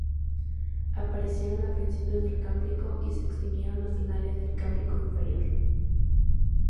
Aparecieron a principios del Cámbrico y se extinguieron a finales del Cámbrico Inferior.